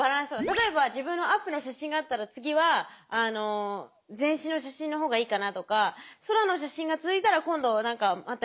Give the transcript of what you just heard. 例えば自分のアップの写真があったら次は全身の写真の方がいいかなとか空の写真が続いたら今度何かまた色とか考えた方がいいかなとか。